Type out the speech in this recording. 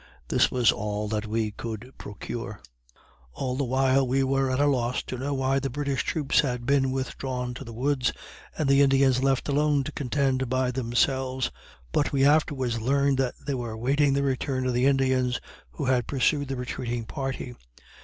This was all that we could now procure. All the while we were at a loss to know why the British troops had been withdrawn to the woods, and the Indians left alone to contend by themselves; but we afterwards learned that they were waiting the return of the Indians who had pursued the retreating party.